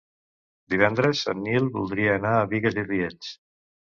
Divendres en Nil voldria anar a Bigues i Riells.